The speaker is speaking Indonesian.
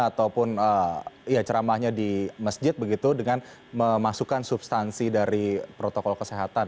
ataupun ya ceramahnya di masjid begitu dengan memasukkan substansi dari protokol kesehatan